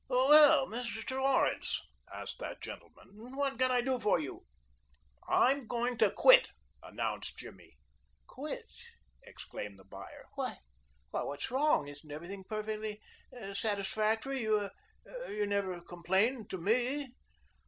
"Well, Mr. Torrance," asked that gentleman, "what can I do for you?" "I am going to quit," announced Jimmy. "Quit!"' exclaimed the buyer. "Why, what's wrong? Isn't everything perfectly satisfactory? You have never complained to me."